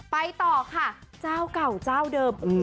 ไปต่อค่ะเจ้าเก่าเจ้าเดิม